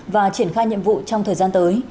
và triển khai nhiệm vụ trong thời gian tới